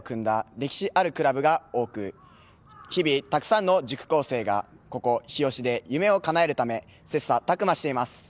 歴史あるクラブが多く日々たくさんの塾高生がここ日吉で夢を叶えるためせっさたくましています。